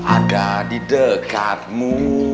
ada di dekatmu